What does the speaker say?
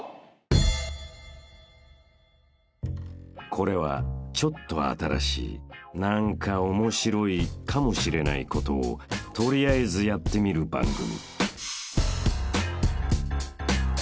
［これはちょっと新しい何かオモシロいかもしれないことを取りあえずやってみる番組］